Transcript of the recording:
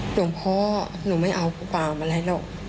หลวงพ่อหนูไม่เอาความอะไรหรอก